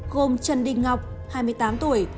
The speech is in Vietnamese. gồm trần đinh ngọc hai mươi tám tuổi